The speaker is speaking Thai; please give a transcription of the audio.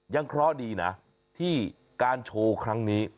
เคราะห์ดีนะที่การโชว์ครั้งนี้